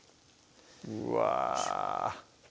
うわ